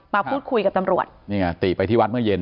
มาพูดคุยกับตำรวจนี่ไงติไปที่วัดเมื่อเย็น